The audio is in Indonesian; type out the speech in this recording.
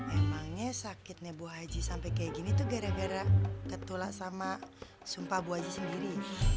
emangnya sakitnya bu haji sampai kayak gini tuh gara gara ketulas sama sumpah bu haji sendiri